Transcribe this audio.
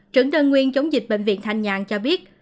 trưởng đơn nguyên chống dịch bệnh viện thanh nhàn cho biết